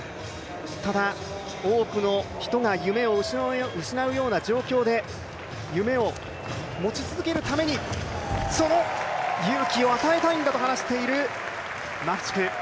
ただ、多くの人が夢を失うような状況で夢を持ち続けるために、その勇気を与えたいんだと話しているマフチク。